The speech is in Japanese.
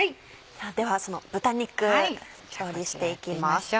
ではその豚肉調理していきます。